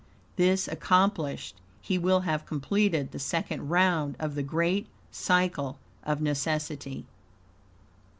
This accomplished, be will have completed the second round of the great Cycle of Necessity.